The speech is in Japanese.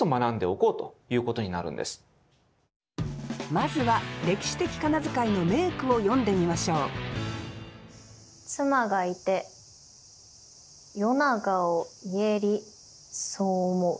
まずは歴史的仮名遣いの名句を読んでみましょう妻がいて夜長を言えりそう思う。